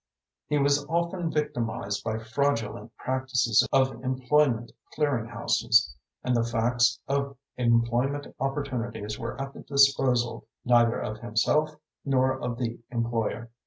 He was often victimized by fraudulent practices of employment clearing houses, and the facts of employment opportunities were at the disposal neither of himself nor of the employer.